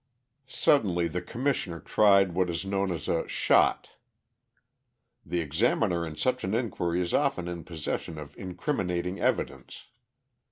Suddenly the Commissioner tried what is known as a "shot." The examiner in such an inquiry is often in possession of incriminating evidence.